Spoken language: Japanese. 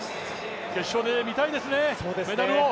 決勝で見たいですね、メダルを。